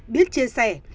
biết chia sẻ